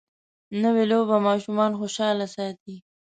نوې لوبه ماشومان خوشحاله ساتي